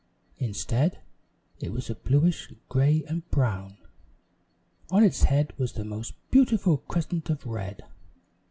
Instead, it was bluish gray and brown. On its head was the most beautiful crescent of red.